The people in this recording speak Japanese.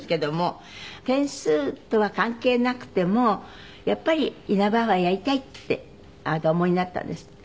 点数とは関係なくてもやっぱりイナバウアーやりたいってあなたお思いになったんですって？